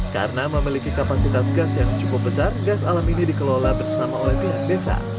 karena memiliki kapasitas gas yang cukup besar gas alam ini dikelola bersama oleh pihak desa